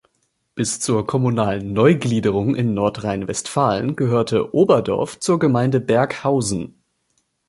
Bis zur kommunalen Neugliederung in Nordrhein-Westfalen gehörte Oberdorf zur Gemeinde Berghausen.